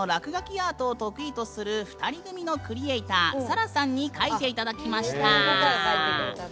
アートを得意とする２人組のクリエーターｓａｒａさんに描いていただきました。